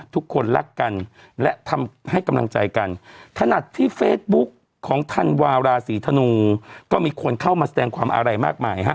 ทุกคนรักกันและทำให้กำลังใจกันถนัดที่เฟซบุ๊กของธันวาราศีธนูก็มีคนเข้ามาแสดงความอาลัยมากมายฮะ